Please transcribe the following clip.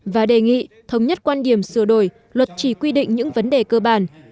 và đề nghị thống nhất quan điểm sửa đổi luật chỉ quy định những vấn đề cơ bản